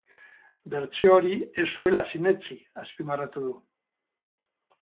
Bertsio hori ez zuela sinetsi azpimarratu du.